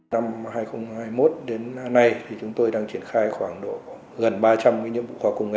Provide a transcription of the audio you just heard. năm hai nghìn hai mươi một đến nay thì chúng tôi đang triển khai khoảng gần ba trăm linh nhiệm vụ khoa học công nghệ